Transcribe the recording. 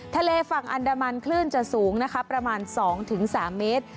ทะเลฝั่งอันดามันคลื่นจะสูงนะคะประมาณ๒๓เมตร